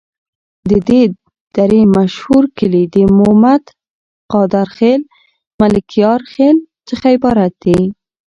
د دي درې مشهور کلي د مومد، قادر خیل، ملکیار خیل څخه عبارت دي.